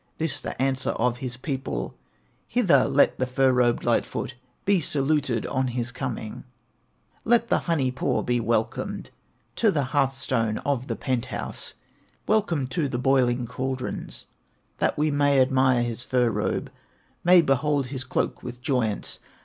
This the answer of his people: "Hither let the fur robed Light foot Be saluted on his coming; Let the Honey paw be welcomed To the hearth stone of the penthouse, Welcomed to the boiling caldrons, That we may admire his fur robe, May behold his cloak with joyance.